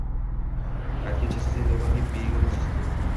Aytgancha, siz endi ularga begonasiz-ku